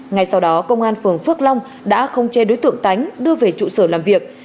ngay sau đó công an phường phước long đã không chê đối tượng tánh đưa về trụ sở làm việc